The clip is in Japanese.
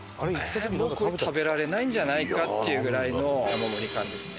もうこれ食べられないんじゃないかっていうぐらいの山盛り感ですね。